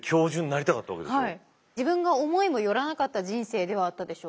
自分が思いも寄らなかった人生ではあったでしょうね。